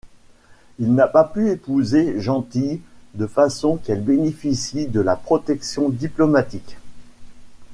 Il n’a pas pu épouser Gentille de façon qu’elle bénéficie de la protection diplomatique.